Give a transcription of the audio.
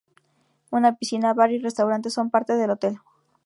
Una piscina, bar y restaurante son parte del hotel.